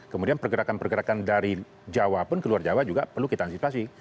kemudian pergerakan pergerakan dari jawa pun ke luar jawa juga perlu kita antisipasi